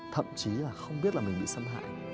thậm chí là không biết là mình bị xâm hại